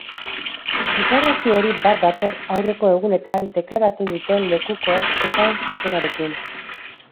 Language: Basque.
Deklarazio hori bat dator aurreko egunetan deklaratu duten lekukoek esan zutenarekin.